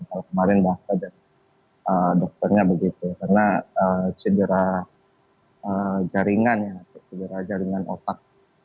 kalau kemarin bahasanya dokternya begitu karena cedera jaringannya cedera jaringan otak